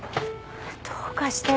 どうかしてる。